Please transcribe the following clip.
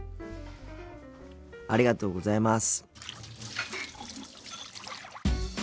ありがとうございます。